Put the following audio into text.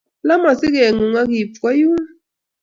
Laa mosige ng'ung' akiip kwo yuun.